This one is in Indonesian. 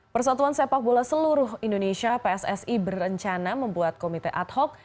persatuan sepak bola seluruh indonesia pssi berencana membuat komite ad hoc